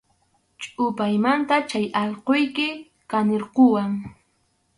Chʼupaymantam chay allquyki kanirquwan.